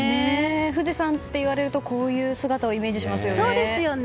富士山といわれるとこういう姿をイメージしますよね。